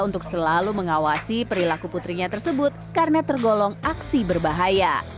untuk selalu mengawasi perilaku putrinya tersebut karena tergolong aksi berbahaya